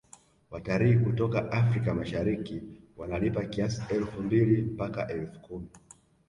Watalii kutoka africa mashariki wanalipa kiasi elfu mbili mpaka elfu kumi